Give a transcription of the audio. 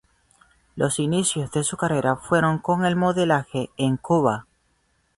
Los inicios de su carrera fueron con el modelaje en Cuba.